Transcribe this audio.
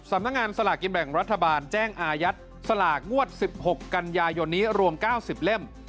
สำนักงานสลากกินแบ่งรัฐบาลแจ้งอายัดสลากงวด๑๖กันยายนนี้รวม๙๐เล่ม